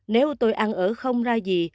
nếu tôi ăn ở không ra gì